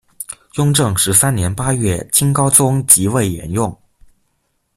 雍正十三年八月清高宗即位沿用。